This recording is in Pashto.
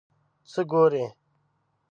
څه ګورې ؟